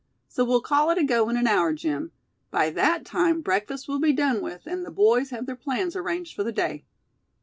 So we'll call it a go in an hour, Jim. By that time breakfast will be done with, and the boys have their plans arranged for the day.